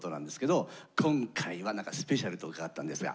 今回はなんかスペシャルと伺ったんですが。